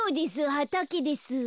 はたけです。